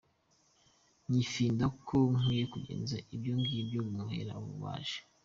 Ngifinda uko nkwiye Kugenza ibyo ngibyo Maheru aba yaje.